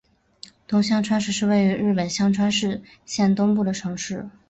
东香川市是位于日本香川县东部的城市。